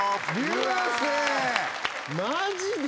マジで！？